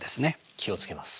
気を付けます。